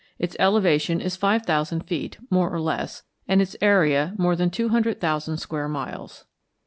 Its elevation is five thousand feet, more or less, and its area more than two hundred thousand square miles.